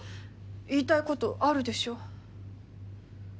言いたいことあるでしょ。